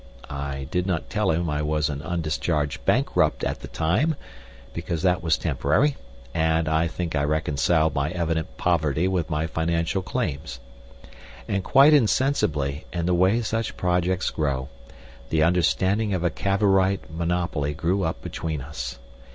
I did not tell him I was an undischarged bankrupt at the time, because that was temporary, but I think I reconciled my evident poverty with my financial claims. And quite insensibly, in the way such projects grow, the understanding of a Cavorite monopoly grew up between us.